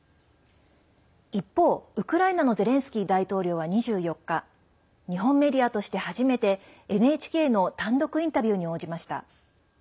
一方、ウクライナのゼレンスキー大統領は２４日日本メディアとして初めてＮＨＫの単独インタビューに応じました。